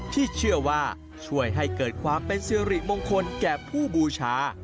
ที่เชื่อว่าช่วยให้เกิดความเป็นสิริมงคลแก่ผู้บูชา